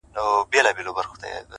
کلونه پس چي درته راغلمه’ ته هغه وې خو؛’